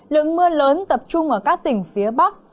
lượng mưa lớn tập trung ở các tỉnh phía bắc